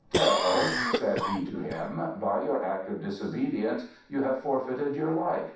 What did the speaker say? "Tell," said he to him, "by your act of disobedience you have forfeited your life.